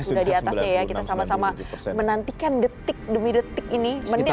sudah di atasnya ya kita sama sama menantikan detik demi detik ini ya mas ya